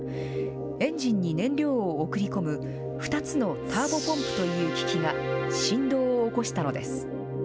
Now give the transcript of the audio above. エンジンに燃料を送り込む２つのターボポンプという機器が振動を起こしたのです。